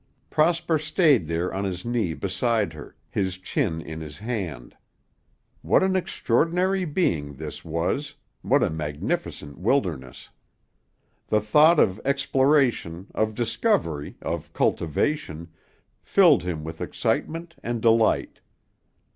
Prosper stayed there on his knee beside her, his chin in his hand. What an extraordinary being this was, what a magnificent wilderness. The thought of exploration, of discovery, of cultivation, filled him with excitement and delight.